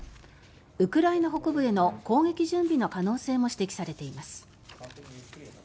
ウクライナ北部への攻撃準備の可能性も指摘されています。